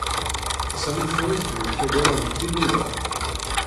Sami tuɣ-it deg tagara n tinuba.